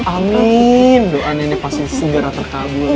amin doa nenek pasang sigara terkabul ya